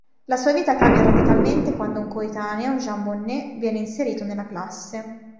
La sua vita cambia radicalmente quando un coetaneo, Jean Bonnet, viene inserito nella classe.